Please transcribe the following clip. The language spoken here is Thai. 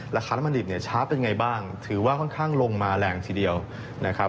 ราคาน้ำมันดิบเนี่ยช้าเป็นไงบ้างถือว่าค่อนข้างลงมาแรงทีเดียวนะครับ